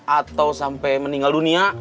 atau sampai meninggal dunia